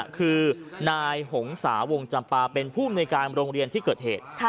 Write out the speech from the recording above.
คือนายหงษาวงจำปาเป็นผู้มนุยการโรงเรียนที่เกิดเหตุ